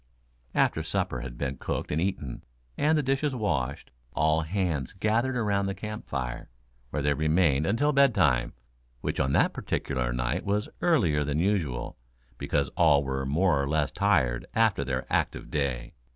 After supper had been cooked and eaten, and the dishes washed, all hands gathered around the camp fire, where they remained until bedtime, which on that particular night was earlier than usual, because all were more or less tired after their active day.